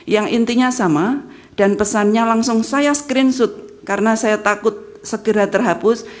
yang intinya sama dan pesannya langsung saya screenshot karena saya takut segera terhapus